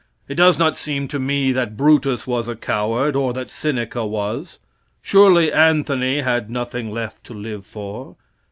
It does not seem to me that Brutus was a coward or that Seneca was. Surely Anthony had nothing left to live for.